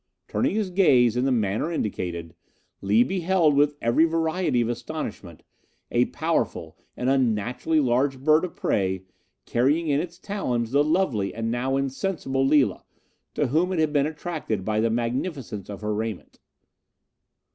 Turning his gaze in the manner indicated, Lee beheld, with every variety of astonishment, a powerful and unnaturally large bird of prey, carrying in its talons the lovely and now insensible Lila, to whom it had been attracted by the magnificence of her raiment.